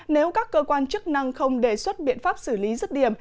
nếu các cơ quan chức năng không đề xuất biện pháp xử lý rứt điểm